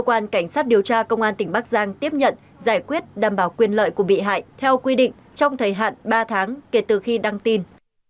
cơ quan cảnh sát điều tra công an tỉnh bắc giang tiếp nhận giải quyết đảm bảo quyền lợi của bị hại theo quy định trong thời hạn ba tháng kể từ khi đăng tin